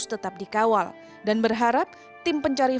salam satu nyari